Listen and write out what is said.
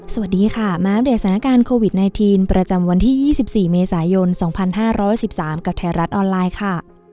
สวัสดีค่ะมาอัปเดตสถานการณ์โควิด๑๙ประจำวันที่๒๔เมษายน๒๕๑๓กับไทยรัฐออนไลน์ค่ะ